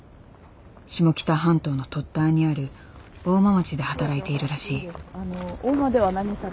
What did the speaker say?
下北半島の突端にある大間町で働いているらしい。